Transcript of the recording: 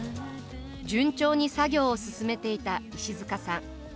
順調に作業を進めていたいしづかさん。